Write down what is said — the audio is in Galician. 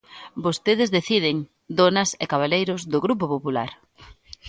Vostedes deciden, donas e cabaleiros do Grupo Popular.